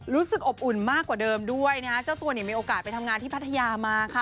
รู้สึกอบอุ่นมากกว่าเดิมด้วยนะฮะเจ้าตัวเนี่ยมีโอกาสไปทำงานที่พัทยามาค่ะ